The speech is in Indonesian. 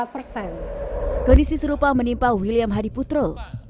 prinsip serupa menimpa william hadi putro